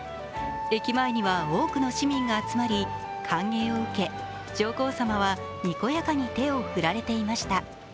駅前には多くの市民が集まり、歓迎を受け上皇さまはにこやかに手を振られていました。